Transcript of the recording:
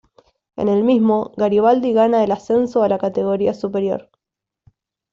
En el mismo, Garibaldi gana el ascenso a la categoría superior.